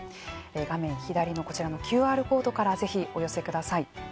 画面左のこちらのＱＲコードからぜひお寄せください。